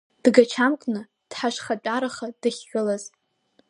Дгачамкны дҳашҳатәараха дахьгылаз.